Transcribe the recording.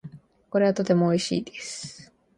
これはとても美味しいです。